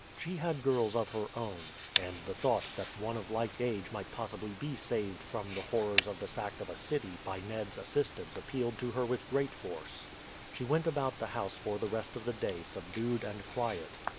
She had girls of her own, and the thought that one of like age might possibly be saved from the horrors of the sack of a city by Ned's assistance appealed to her with great force. She went about the house for the rest of the day subdued and quiet.